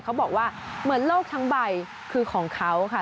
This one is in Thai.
เขาบอกว่าเหมือนโลกทั้งใบคือของเขาค่ะ